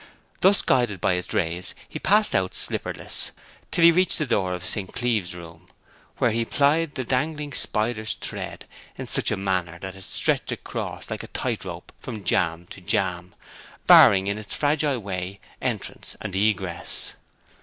Thus guided by its rays he passed out slipperless, till he reached the door of St. Cleeve's room, where he applied the dangling spider's thread in such a manner that it stretched across like a tight rope from jamb to jamb, barring, in its fragile way, entrance and egress.